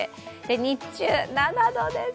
日中７度です。